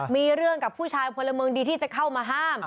มีเรื่องกับผู้ชายพลเมืองดีที่จะเข้ามาห้าม